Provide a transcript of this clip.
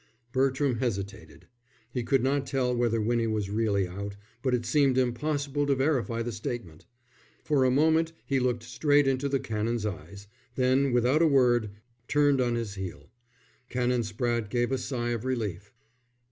Bertram hesitated. He could not tell whether Winnie was really out, but it seemed impossible to verify the statement. For a moment he looked straight into the Canon's eyes, then without a word turned on his heel. Canon Spratte gave a sigh of relief.